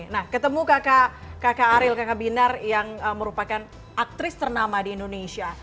nah ketemu kakak ariel kakak binar yang merupakan aktris ternama di indonesia